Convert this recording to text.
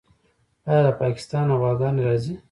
آیا له پاکستانه غواګانې راځي؟